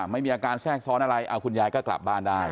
ไม่มีอาการแทรกซ้อนอะไรคุณยายก็กลับบ้านได้